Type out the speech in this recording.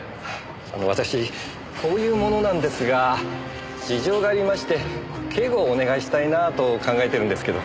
あの私こういう者なんですが事情がありまして警護をお願いしたいなと考えてるんですけど。